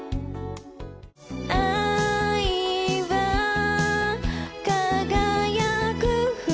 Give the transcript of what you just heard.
「愛は輝く舟」